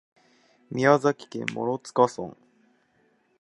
宮崎県諸塚村